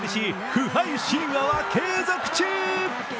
不敗神話は継続中。